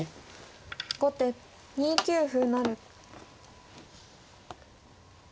後手２九歩成。